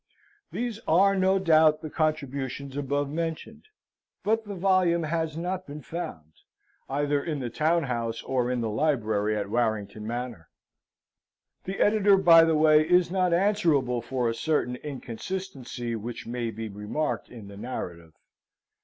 These were no doubt the contributions above mentioned; but the volume has not been found, either in the town house or in the library at Warrington Manor. The Editor, by the way, is not answerable for a certain inconsistency, which may be remarked in the narrative.